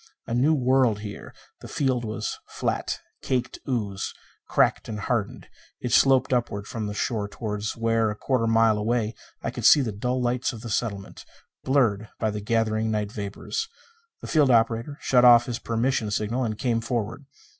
A new world here. The field was flat, caked ooze, cracked and hardened. It sloped upward from the shore toward where, a quarter of a mile away, I could see the dull lights of the settlement, blurred by the gathered night vapors. The field operator shut off his permission signal and came forward.